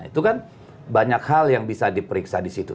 itu kan banyak hal yang bisa diperiksa di situ